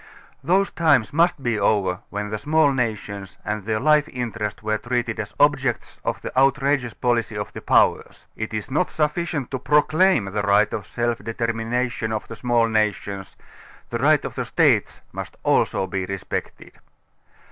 Those times must be over, when the small nations and their life interests were treated as objects of the outrageous policy of the Powers. ŌĆö It is not .sufficient to proclaim the right of self determination of the small nations; the right of the States must also be res])ected.